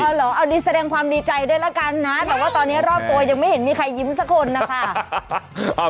เอาเหรอเอาดีแสดงความดีใจด้วยละกันนะแต่ว่าตอนนี้รอบตัวยังไม่เห็นมีใครยิ้มสักคนนะคะ